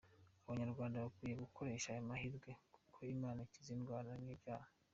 Abanyarwada bakwiye gukoresha aya mahirwe kuko Imana ikiza indwara n’ibyaha.